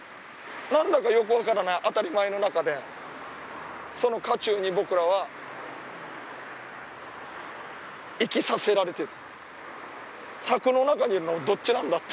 何だかよく分からない当たり前の中でその渦中に僕らは生きさせられてる。